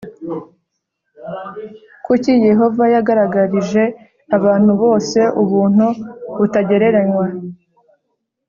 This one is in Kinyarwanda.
Kuki Yehova yagaragarije abantu bose ubuntu butagereranywa